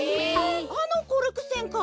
あのコルクせんか。